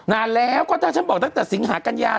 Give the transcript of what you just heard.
นานแล้วก็ถ้าฉันบอกตั้งแต่สิงหากัญญา